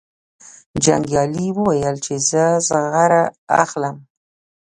جنګیالي وویل چې زه زغره اخلم.